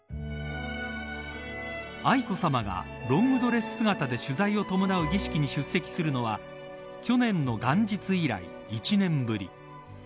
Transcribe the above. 愛子さまがロングドレス姿で取材を伴う儀式に出席するのは去年の元日以来、１年ぶり。